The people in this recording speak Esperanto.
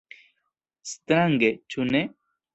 Strange, ĉu ne?